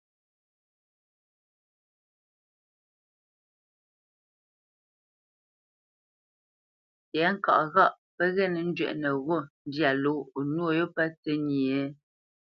Tɛ̌ŋka ghâʼ pə́ ghê nə́ njwɛ́ʼnə ghô ndyâ ló o nwô yô pə́ tsə́nyê?